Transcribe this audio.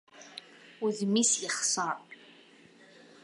Udem-is yexṣer!